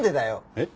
えっ？